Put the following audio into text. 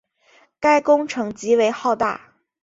该工程极为浩大。